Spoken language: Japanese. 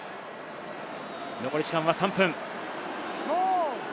残り時間は３分。